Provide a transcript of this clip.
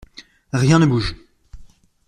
Rien ne bouge.